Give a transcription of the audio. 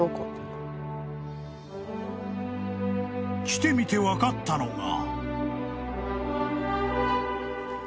［来てみて分かったのが］